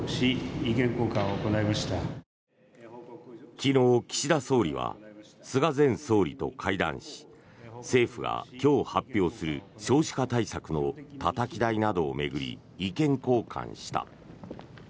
昨日、岸田総理は菅前総理と会談し政府が今日、発表する少子化対策のたたき台などを巡り意見交換した。